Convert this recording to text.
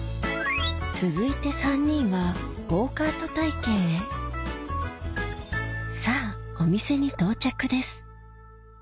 続いて３人はゴーカート体験へさぁお店に到着です